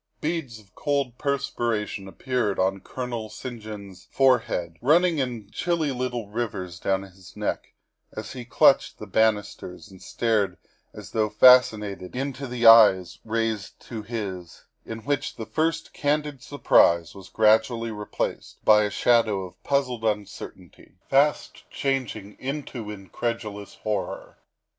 Beads of cold perspiration appeared on Colonel St. THE SECRETARY OF STATE 145 John's forehead, running in chilly little rivers down his neck as he clutched the banisters and stared as though fascinated into the eyes raised to his, in which the first candid surprise was gradually replaced by a shadow of puzzled uncertainty, fast changing into incredulous horror.